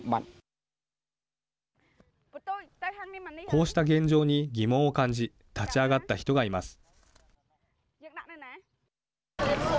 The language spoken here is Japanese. こうした現状に疑問を感じ立ち上がった人がいます。